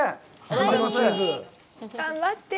頑張って！